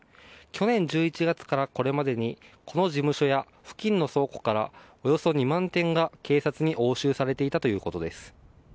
去年１１月からこれまでにこの事務所や付近の倉庫からおよそ２万点が警察に押収されていたということです。